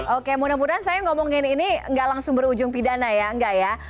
oke mudah mudahan saya ngomongin ini ga langsung berujung pidana ya